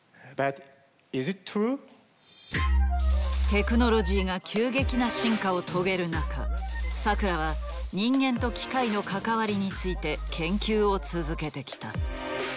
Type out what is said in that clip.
テクノロジーが急激な進化を遂げる中佐倉は人間と機械の関わりについて研究を続けてきた。